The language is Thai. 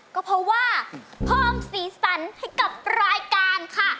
ก็เพราะว่าเพิ่มสีสันให้กับรายการค่ะ